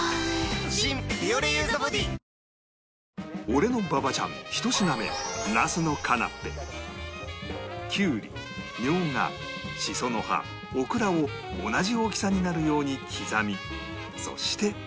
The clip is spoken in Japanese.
俺の馬場ちゃん１品目きゅうりみょうがしその葉オクラを同じ大きさになるように刻みそして